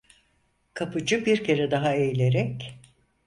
Kapıcı bir kere daha eğilerek: